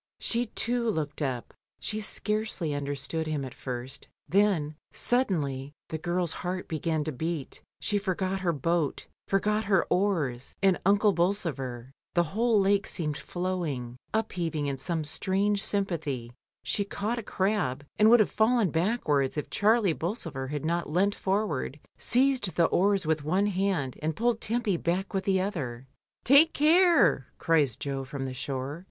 She too looked up; she scarcely un derstood him at first, then, suddenly, the girl's heart began to beat, she forgot her boat, forgot her oars, and Uncle Bolsover; the whole lake seemed flowing, upheaving in some strange sympathy, she caught a crab and would have fallen backwards if Charles Bolsover had not leant forward, seized the oars with one hand, and pulled Tempy back with the other. "Take care," cries Jo from the shore.